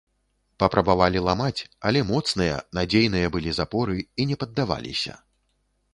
Папрабавалі ламаць, але моцныя, надзейныя былі запоры і не паддаваліся.